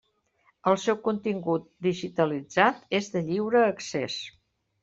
El seu contingut, digitalitzat, és de lliure accés.